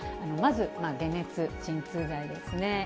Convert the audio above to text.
まず、解熱鎮痛剤ですね。